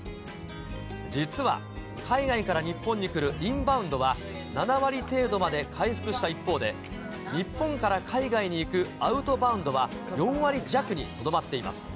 実は、海外から日本に来るインバウンドは７割程度まで回復した一方で、日本から海外に行くアウトバウンドは４割弱にとどまっています。